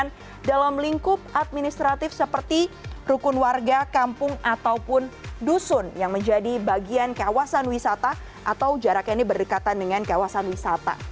ini juga bisa diperhatikan dalam lingkup administratif seperti rukun warga kampung ataupun dusun yang menjadi bagian kawasan wisata atau jarak yang berdekatan dengan kawasan wisata